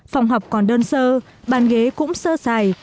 phòng học còn đơn sơ bàn ghế cũng sơ xài